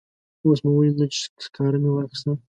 اوس مو ولیدل چې سکاره مې واخیستل.